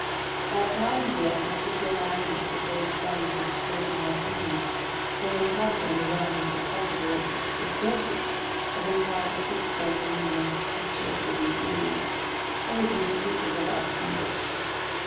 At times we are tempted to imagine that the vague forms which float in our dreams may encounter in the realm of the Possible attractive forces, having power to fix their lineaments, and shape living beings, out of these creatures of our slumbers.